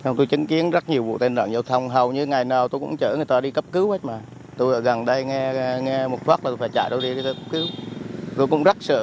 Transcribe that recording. nghe một phát là tôi phải chạy đâu đi tôi cũng rất sợ